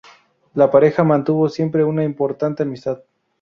La pareja mantuvo siempre una importante amistad.